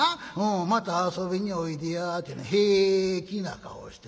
『また遊びにおいでや』ってね平気な顔してんねん。